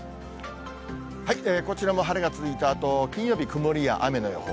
こちらも晴れが続いたあと、金曜日、曇りや雨の予報。